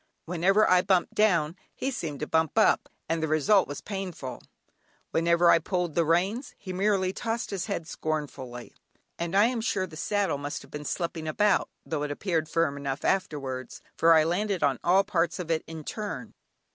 Whenever I bumped down, he seemed to bump up, and the result was painful; whenever I pulled the reins he merely tossed his head scornfully; and I am sure the saddle must have been slipping about (though it appeared firm enough afterwards), for I landed on all parts of it in turn.